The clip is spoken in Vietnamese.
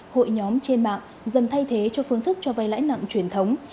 hội nhóm trên mạng dần thay thế cho phương thức cho vay lãi nặng truyền thống